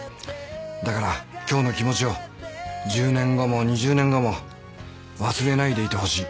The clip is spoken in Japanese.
だから今日の気持ちを１０年後も２０年後も忘れないでいてほしい。